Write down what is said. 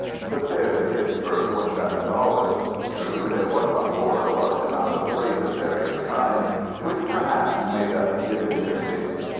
The fare to Pittsburg was $7. True, there was on board a large amount of freight of various kinds, which perhaps made up the deficiency.